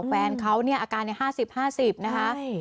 แฟนเขาอาการ๕๐๕๐นะคะ